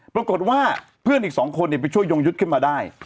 ปรากฏว่าเพื่อนอีก๒คนไปช่วยยงยุทธ์ขึ้นมาได้